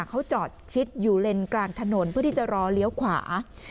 เขาจอดชิดอยู่เลนกลางถนนเพื่อที่จะรอเลี้ยวขวา